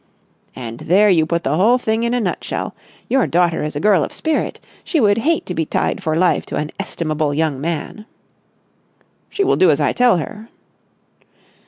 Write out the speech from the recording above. "And there you put the whole thing in a nutshell. Your daughter is a girl of spirit. She would hate to be tied for life to an estimable young man." "She will do as I tell her."